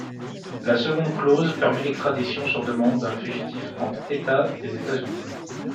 La seconde clause permet l'extradition sur demande d'un fugitif entre États des États-Unis.